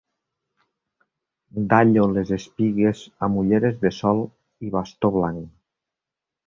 Dallo les espigues amb ulleres de sol i bastó blanc.